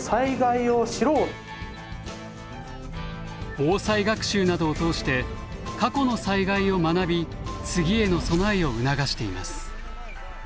防災学習などを通して過去の災害を学び次への備えを促しています。